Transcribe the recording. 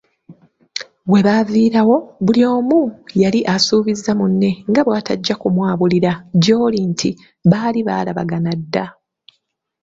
We baaviiraawo buli omu yali asuubiza munne nga bw'atajja kumwabulira gy'oli nti baali baalabagana dda!